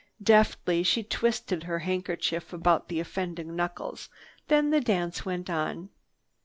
Deftly she twisted her handkerchief about the offending knuckles. Then the dance went on.